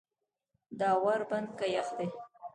دا ور بند که یخ دی.